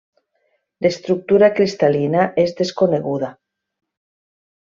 L'estructura cristal·lina és desconeguda.